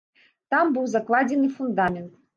Там быў закладзены фундамент.